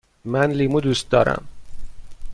من لیمو دوست دارم.